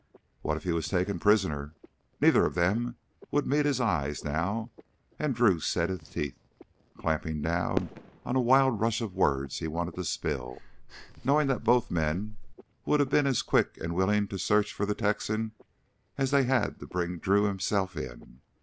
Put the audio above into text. "What if he was taken prisoner!" Neither one of them would meet his eyes now, and Drew set his teeth, clamping down on a wild rush of words he wanted to spill, knowing that both men would have been as quick and willing to search for the Texan as they had to bring Drew, himself, in.